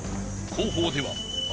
後方では］